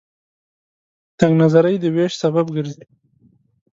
تنگ نظرۍ د وېش سبب ګرځي.